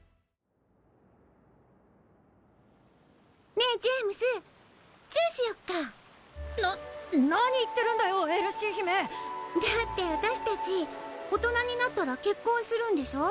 ねぇジェームスチュな何言ってるんだよエルシー姫だって私たち大人になったら結婚するんでしょ？